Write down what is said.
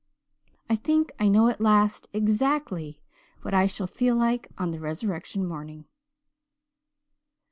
"I think I know at last exactly what I shall feel like on the resurrection morning."